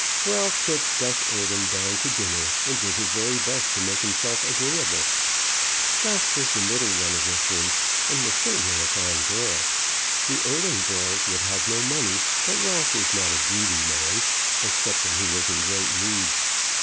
Ralph took Gus Eardham down to dinner, and did his very best to make himself agreeable. Gus was the middle one of the three, and was certainly a fine girl. The Eardham girls would have no money; but Ralph was not a greedy man, except when he was in great need.